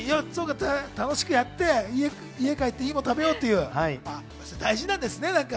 楽しくやって、家帰って、いいものを食べようという大事なんですね。